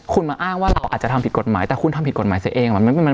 คุณมาอ้างว่าเราอาจจะทำผิดกฎหมายแต่คุณทำผิดกฎหมายเสียเอง